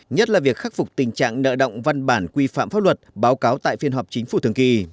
nhất là việc khắc phục tình trạng nợ động văn bản quy phạm pháp luật báo cáo tại phiên họp chính phủ thường kỳ